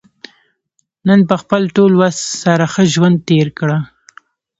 نن په خپل ټول وس سره ښه ژوند تېر کړه.